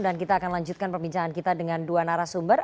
dan kita akan lanjutkan perbincangan kita dengan dua narasumber